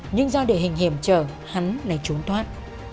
nhưng do địa hình hiểm trở hắn lại trốn thoát